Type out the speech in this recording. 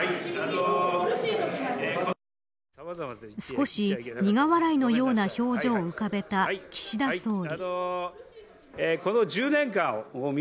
少し苦笑いのような表情を浮かべた岸田総理。